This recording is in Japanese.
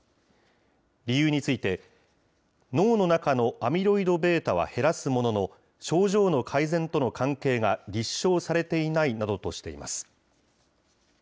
理由について、脳の中のアミロイドβは減らすものの、症状の改善との関係が立証されていないなどとしています。